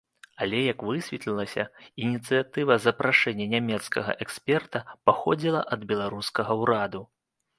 Але, як высветлілася, ініцыятыва запрашэння нямецкага эксперта паходзіла ад беларускага ураду.